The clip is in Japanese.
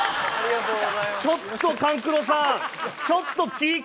ちょっと勘九郎さん